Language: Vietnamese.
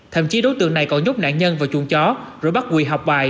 thậm chí đối tượng này còn nhút nạn nhân vào chuồng chó rồi bắt quỳ học bài